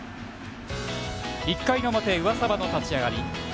１回の表、上沢の立ち上がり。